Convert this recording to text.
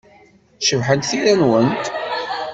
Cebḥent tira-nwent.